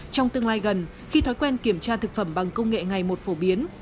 trong tương lai gần khi thói quen kiểm tra thực phẩm bằng công nghệ ngày một phổ biến